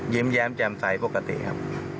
แย้มแจ่มใสปกติครับ